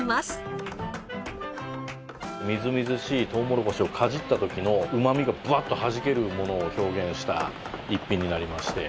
みずみずしいとうもろこしをかじった時のうまみがぶわっとはじけるものを表現した一品になりまして。